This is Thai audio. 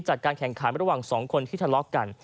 จัดการแข่งขายระหว่างสองคนที่ทะลอกกัน